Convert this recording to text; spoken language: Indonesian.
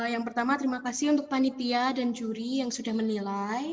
yang pertama terima kasih untuk panitia dan juri yang sudah menilai